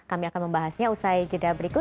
kami akan membahasnya usai jeda berikut